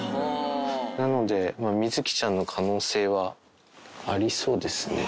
なので、みづきちゃんの可能性はありそうですね。